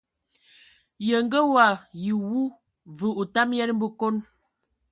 Ye ngə wayi wu, və otam yən bəkon.